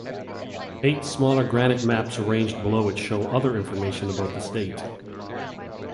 Eight smaller granite maps arranged below it show other information about the state.